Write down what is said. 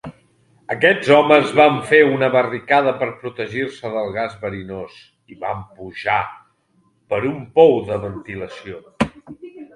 Aquests homes van fer una barricada per protegir-se del gas verinós i van pujar per un pou de ventilació.